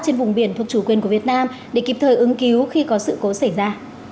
trên vùng biển thuộc chủ quyền của việt nam để kịp thời ứng cứu khi có sự cố xảy ra